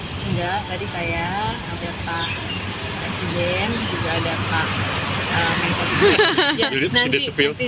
enggak tadi saya ada pak presiden juga ada pak menteri